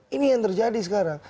ini yang terjadi sekarang